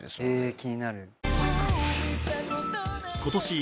気になる。